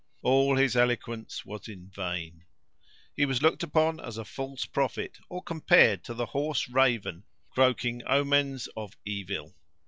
All his eloquence was in vain. He was looked upon as a false prophet, or compared to the hoarse raven, croaking omens of evil.